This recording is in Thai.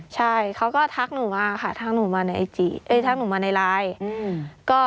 ใช่เขาก็ทักหนูมาค่ะทักหนูมาในไลน์